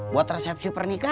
buat resepsi pernikahan